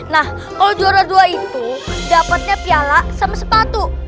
nah kalau juara dua itu dapatnya piala sama sepatu